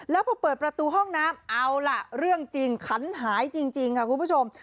แล้วพอเปิดประตูห้องน้ำเอาล่ะเรื่องจริงขันหายจริงค่ะคุณผู้ชม